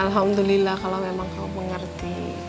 alhamdulillah kalau memang kamu mengerti